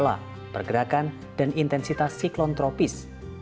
perubahan pola pergerakan dan intensitas siklon tropis